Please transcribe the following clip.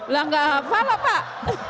lah enggak apa apa lho pak